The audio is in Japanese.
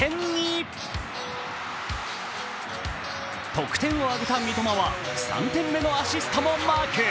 得点を挙げた三笘は、３点目のアシストもマーク。